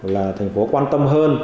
là thành phố quan tâm hơn